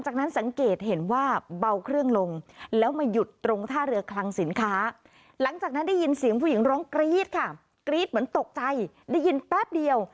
กรี๊ดเหมือนตกใจได้ยินแป๊บเดียว